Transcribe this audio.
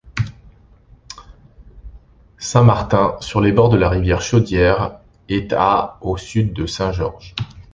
Saint-Martin, sur les bords de la rivière Chaudière, est à au sud de Saint-Georges.